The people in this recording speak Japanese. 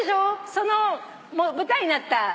その舞台になった。